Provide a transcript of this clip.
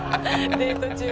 「デート中」